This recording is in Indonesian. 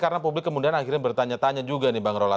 karena publik kemudian akhirnya bertanya tanya juga nih bang rola